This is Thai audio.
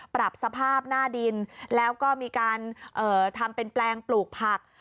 ปรับสภาพหน้าดินแล้วก็มีการทำเป็นแปลงปลูกผัก